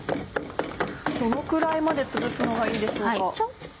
どのくらいまでつぶすのがいいんでしょうか？